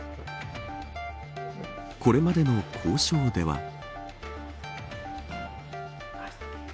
これまでの交渉では。